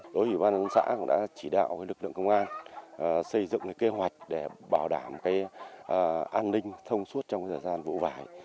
đảng ủy ban dân xã cũng đã chỉ đạo lực lượng công an xây dựng kế hoạch để bảo đảm an ninh thông suốt trong thời gian vụ vải